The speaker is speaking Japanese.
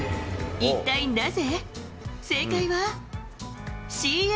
一体なぜ？